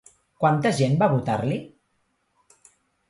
Quanta gent va votar-li?